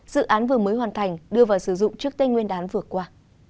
dự án vừa mới hoàn thành đưa vào sử dụng trước tên nguyên đán vừa qua